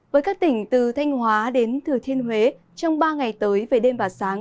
với các tỉnh từ thanh hóa đến thừa thiên huế trong ba ngày tới về đêm và sáng